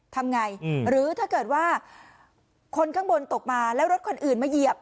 ทำไงหรือถ้าเกิดว่าคนข้างบนตกมาแล้วรถคนอื่นมาเหยียบ